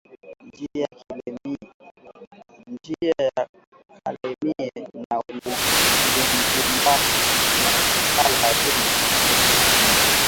Njiya ya kalemie na lubumbashi inaikalaka vumbi mwezi wa nane